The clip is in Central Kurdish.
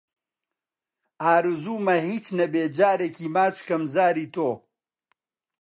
ئارەزوومە هیچ نەبێ جارێکی ماچ کەم زاری تۆ